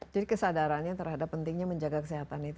jadi kesadarannya terhadap pentingnya menjaga kesehatan itu